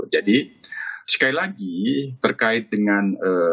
jadi sekali lagi terkait dengan